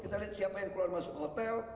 kita lihat siapa yang keluar masuk hotel